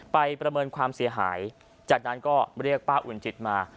ประเมินความเสียหายจากนั้นก็เรียกป้าอุ่นจิตมา